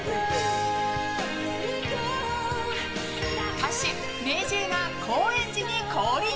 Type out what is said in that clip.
歌手、ＭａｙＪ．が高円寺に降臨。